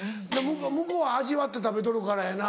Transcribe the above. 向こうは味わって食べとるからやな。